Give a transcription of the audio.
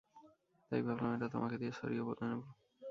তাই ভাবলাম এটা তোমাকে দিয়ে স্যরিও বলে নিব।